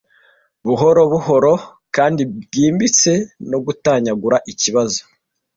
Buhoro buhoro kandi bwimbitse, no gutanyagura ikibazo